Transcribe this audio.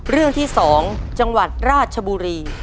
เรื่องที่๒จังหวัดราชบุรี